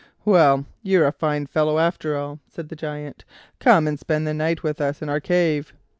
"Well, you're a fine fellow, after all," said the Giant; "come and spend the night with us in our cave."